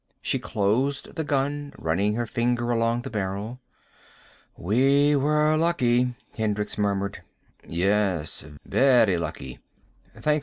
She closed the gun, running her finger along the barrel. "We were lucky," Hendricks murmured. "Yes. Very lucky."